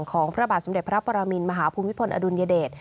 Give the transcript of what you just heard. พระบาทสมเด็จพระปรมินมหาภูมิพลอดุลยเดช